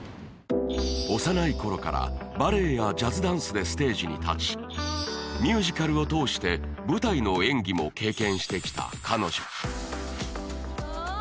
幼い頃からバレエやジャズダンスでステージに立ちミュージカルを通して舞台の演技も経験してきた彼女ああ